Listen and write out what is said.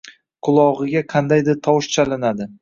qulog‘iga qandaydir tovush chalinadi.